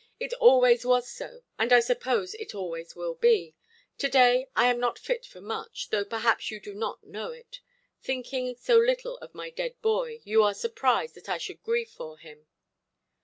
It always was so, and I suppose it always will be. To–day I am not fit for much, though perhaps you do not know it. Thinking so little of my dead boy, you are surprised that I should grieve for him".